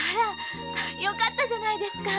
よかったじゃないですか。